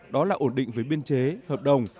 đó là ổn định với biên chế hợp đồng